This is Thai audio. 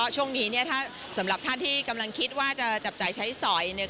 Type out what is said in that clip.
ช่วงนี้สำหรับท่านที่กำลังคิดว่าจะจับจ่ายใช้สอย